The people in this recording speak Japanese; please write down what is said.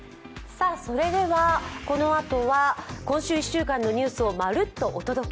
このあとは今週１週間のニュースをまるっとお届け。